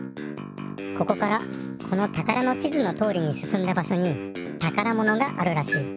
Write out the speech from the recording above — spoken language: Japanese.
ここからこのたからの地図のとおりにすすんだばしょにたからものがあるらしい。